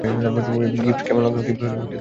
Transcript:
Gift কেমন লাগলো?